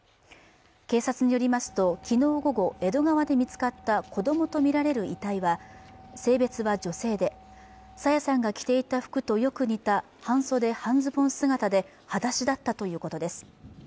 警察によりますと昨日午後江戸川で見つかった子どもと見られる遺体は性別は女性で朝芽さんが着ていた服とよく似た半袖半ズボン姿で裸足だったということです